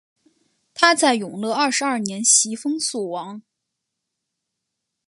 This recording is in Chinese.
他在永乐二十二年袭封肃王。